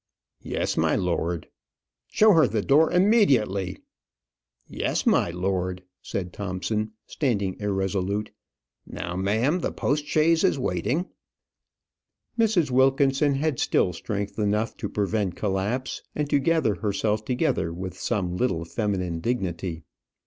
"Yes, my lord." "Show her the door immediately." "Yes, my lord," said Thompson, standing irresolute. "Now, ma'am; the post chaise is waiting." Mrs. Wilkinson had still strength enough to prevent collapse, and to gather herself together with some little feminine dignity.